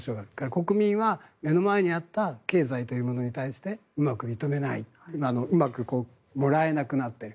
国民は目の前にあった経済というものに対してうまくもらえなくなっている。